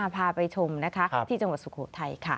พาไปชมนะคะที่จังหวัดสุโขทัยค่ะ